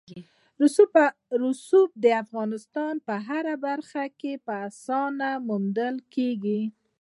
رسوب د افغانستان په هره برخه کې په اسانۍ موندل کېږي.